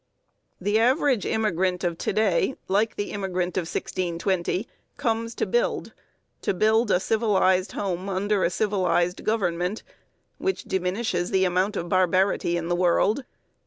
The average immigrant of to day, like the immigrant of 1620, comes to build to build a civilized home under a civilized government, which diminishes the amount of barbarity in the world.